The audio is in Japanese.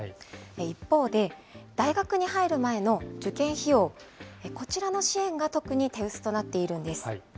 一方で、大学に入る前の受験費用、こちらの支援が特に手薄となっているんです。